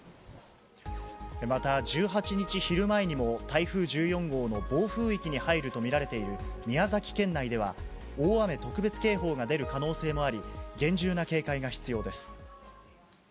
また、１８日昼前にも台風１４号の暴風域に入ると見られている宮崎県内では、大雨特別警報が出る可能性もあり、厳重な警戒が必要です。